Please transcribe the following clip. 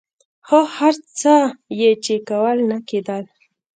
خو هر څه یې چې کول نه کېدل.